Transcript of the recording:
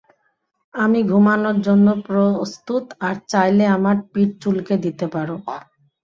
আমি ঘুমানোর জন্য প্রস্তুত, আর চাইলে আমার পিঠ চুলকে দিতে পারো।